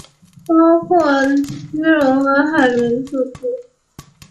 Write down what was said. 包括肌肉和海绵组织。